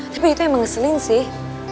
tapi itu emang senin sih